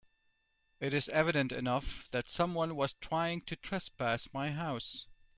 It is evident enough that someone was trying to trespass my house.